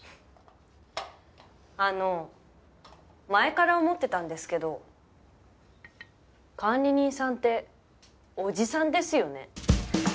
あの前から思ってたんですけど管理人さんっておじさんですよね。